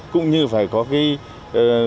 cũng như phải có một thông tin về những vấn đề này